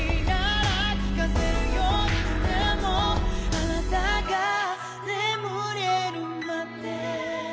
「あなたが眠れるまで」